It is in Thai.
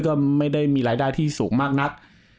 ก็ไม่ได้มีรายได้ที่สูงมากนัก